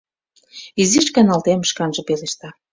Изиш каналтем, — шканже пелешта.